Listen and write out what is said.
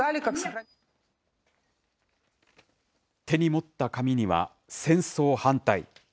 手に持った紙には、戦争反対。